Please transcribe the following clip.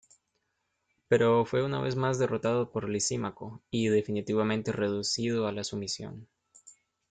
Pero fue una vez más derrotado por Lisímaco, y definitivamente reducido a la sumisión.